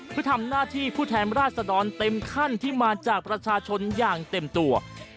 เพื่อทำหน้าที่ผู้แทนราชดรเต็มขั้นที่มาจากประชาชนอย่างเต็มตัว